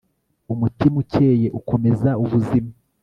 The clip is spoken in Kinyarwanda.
umutima ukeye ukomeza ubuzima